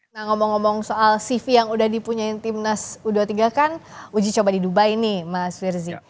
nah ngomong ngomong soal cv yang udah dipunyai timnas u dua puluh tiga kan uji coba di dubai nih mas firzi